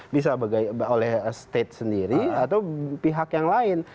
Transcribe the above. bisa oleh state sendiri atau pihak yang lain